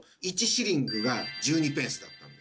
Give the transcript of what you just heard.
シリングが１２ペンスだったんです。